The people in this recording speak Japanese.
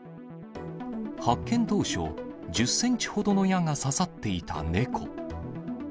発見当初、１０センチほどの矢が刺さっていた猫。